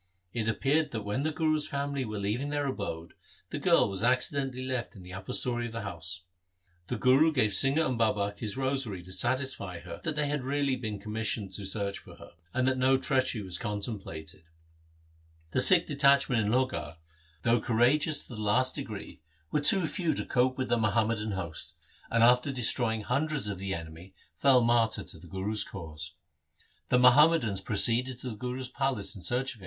It appears that when the Guru's family were leaving their abode, the girl was acci dentally left in the upper story of the house. The Guru gave Singha and Babak his rosary to satisfy her that they had been really commissioned to search for her, and that no treachery was contem plated. The Sikh detachment in Lohgarh, though coura 1 Dhanasari 2 Maru Solha. 3 Gauri ki War I. G2 84 THE SIKH RELIGION geous to the last degree, were too few to cope with the Muhammadan host, and after destroying hun dreds of the enemy fell martyrs to the Guru's cause. The Muhammadans proceeded to the Guru's palace in search of